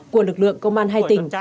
của lực lượng công an hai tỉnh